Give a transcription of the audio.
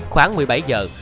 khoảng một mươi bảy giờ